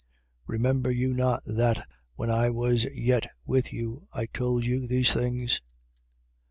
Remember you not that, when I was yet with you, I told you these things?